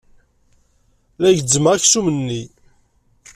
La gezzmeɣ aksum-nni.